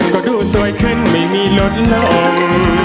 ก็ดูสวยขึ้นไม่มีล้นลง